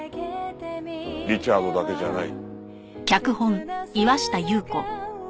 リチャードだけじゃない。